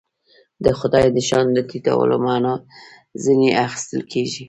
د خدای د شأن د ټیټولو معنا ځنې اخیستل کېږي.